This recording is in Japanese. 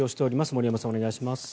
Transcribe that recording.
森山さん、お願いします。